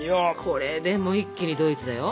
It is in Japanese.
これでもう一気にドイツだよ。